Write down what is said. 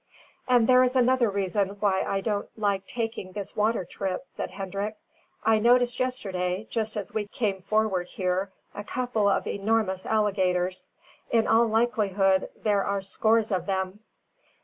"And there is another reason why I don't like taking this water trip," said Hendrik. "I noticed yesterday, just as we came forward here, a couple of enormous alligators. In all likelihood, there are scores of them."